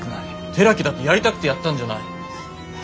寺木だってやりたくてやったんじゃない。